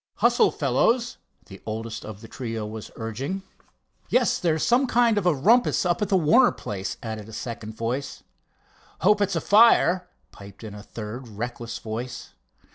"Hustle, fellows," the oldest of the trio was urging. "Yes, there's some kind of a rumpus up at the Warner place," added a second voice. "Hope it's a fire," piped in a third, reckless voice.